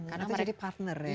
atau jadi partner ya